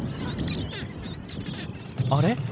あれ？